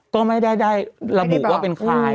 ก็ไม่ได้ได้ระบุว่าเป็นใคร